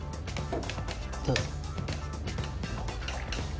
どうぞ。